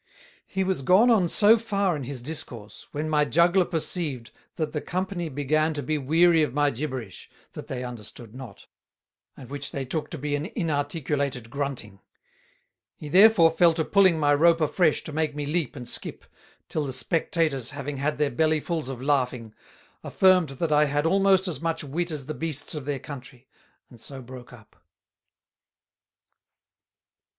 He was gone on so far in his Discourse, when my Juggler perceived, that the Company began to be weary of my Gibberish, that they understood not, and which they took to be an inarticulated Grunting: He therefore fell to pulling my Rope afresh to make me leap and skip, till the Spectators having had their Belly fulls of Laughing, affirmed that I had almost as much Wit as the Beasts of their Country, and so broke up.